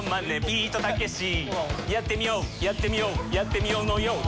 ビートたけしやってみようやってみようやってみようのよぉ！